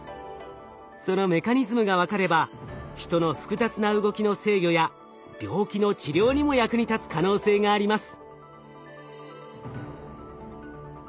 そのメカニズムが分かればヒトの複雑な動きの制御や病気の治療にも役に立つ可能性があります。